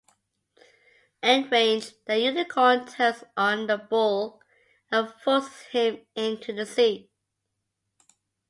Enraged, the Unicorn turns on the Bull and forces him into the sea.